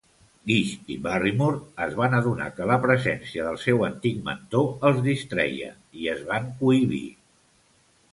Gish i Barrymore es van adonar que la presència del seu antic mentor els distreia i es van cohibir.